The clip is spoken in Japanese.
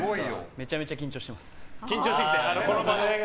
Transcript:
めちゃめちゃ緊張してます。